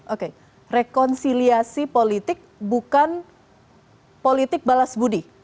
oke rekonsiliasi politik bukan politik balas budi